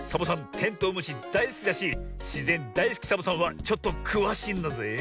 テントウムシだいすきだししぜんだいすきサボさんはちょっとくわしいんだぜえ。